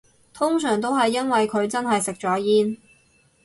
通常都係因為佢真係食咗煙